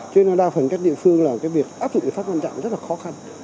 cho nên là đa phần các địa phương là cái việc áp dụng lý pháp quan trọng rất là khó khăn